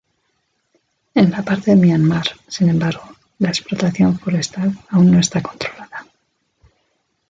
En la parte de Myanmar, sin embargo, la explotación forestal aún no está controlada.